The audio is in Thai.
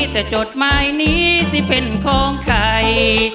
แต่จดหมายนี้สิเป็นของใคร